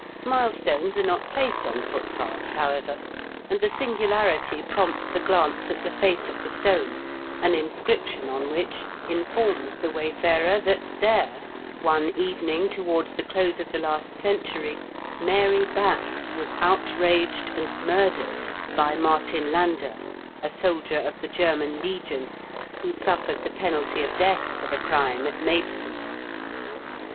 Milestones TffiE? 8T0ET OF MABY BAX. 227 are not placed on footpaths, however, and the singularity prompts a glance at the face of the stone, an inscription on which informs the wayfarer that there, one evening towards the close of the last century, Mary Bax was outraged and murdered by Martin Lander, a soldier of the German Legion, who suffered the penalty of death for the crime at Maid stone.